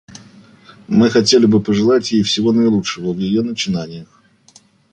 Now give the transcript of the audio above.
Мы хотели бы пожелать ей всего наилучшего в ее начинаниях.